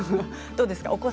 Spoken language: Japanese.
どうですか？